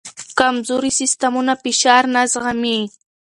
کمزوري سیستمونه فشار نه زغمي.